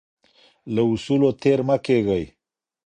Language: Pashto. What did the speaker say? له اصولو تیر مه کیږئ.